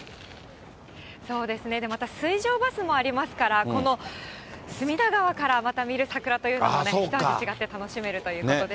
そうですね、また水上バスもありますから、この隅田川から、また見る桜というのもね、また違って楽しめるということです。